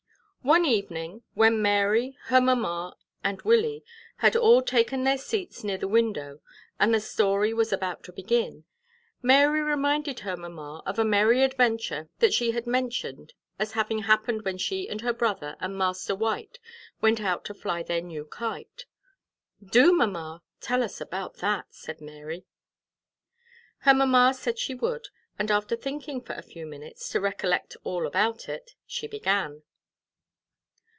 One evening, when Mary, her mamma, and Willie had all taken their seats near the window, and the story was about to begin, Mary reminded her mamma of a merry adventure that she had mentioned as having happened when she and her brother and Master White went out to fly their "new Kite." "Do, mamma, tell us about that," said Mary. Her mamma said she would, and after thinking for a few minutes, to recollect all about it, she began.